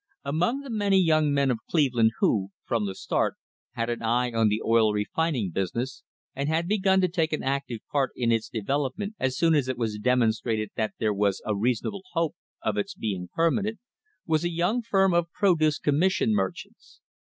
Among the many young men of Cleveland who, from the THE HISTORY OF THE STANDARD OIL COMPANY start, had an eye on the oil refining business and had begun to take an active part in its development as soon as it was demonstrated that there was a reasonable hope of its being permanent, was a young firm of produce commission mer chants.